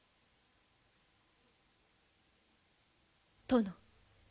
殿。